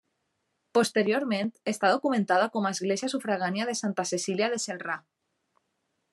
Posteriorment està documentada com a església sufragània de Santa Cecília de Celrà.